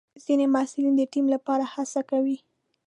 ځینې محصلین د ټیم لپاره هڅه کوي.